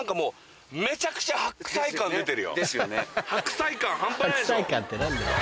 白菜感半端ないでしょ。